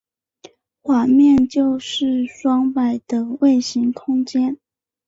环面就是双摆的位形空间。